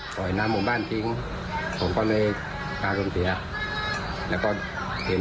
ปล่อยน้ำหมู่บ้านทิ้งผมก็เลยพากันเสียแล้วก็เห็น